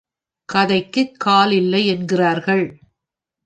கதைக்குக் கால் இல்லை என்கிறார்கள்.